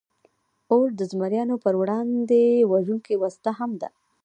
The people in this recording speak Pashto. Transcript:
اور د زمریانو پر وړاندې وژونکې وسله هم ده.